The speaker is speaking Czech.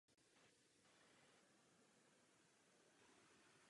Musíme zůstat věrni evropské tradici demokratického a humanistického přijetí.